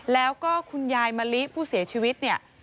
แล้วก็คุณยายมะลิผู้เสียชีวิตเนี่ย